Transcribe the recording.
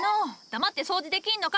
黙って掃除できんのか！